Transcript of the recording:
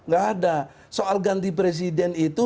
gak ada soal ganti presiden itu